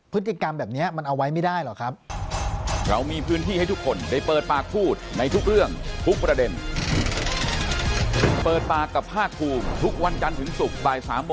พฤติกรรมแบบนี้มันเอาไว้ไม่ได้หรอกครับ